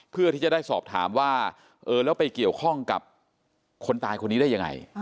เพื่อที่จะได้สอบถามว่าเออแล้วไปเกี่ยวข้องกับคนตายคนนี้ได้ยังไง